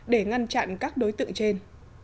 để ngăn chặn các đối tượng trên